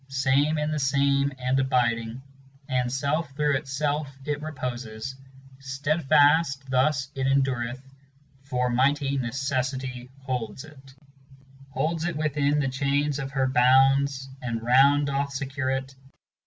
Same in the same and abiding, and self through itself it reposes. Steadfast thus it endureth, for mighty Necessity holds it ŌĆö Holds it within the chains of her bounds and round doth secure it.